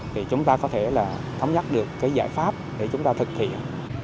thì chúng ta có thể là thống nhắc được cái giải pháp để chúng ta thực hiện